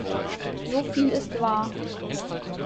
So viel ist wahr.